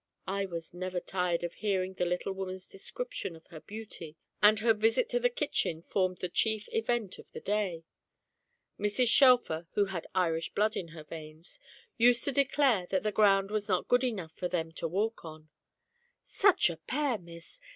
I was never tired of hearing the little woman's description of her beauty, and her visit to the kitchen formed the chief event of the day. Mrs. Shelfer (who had Irish blood in her veins) used to declare that the ground was not good enough for them to walk on. "Such a pair, Miss!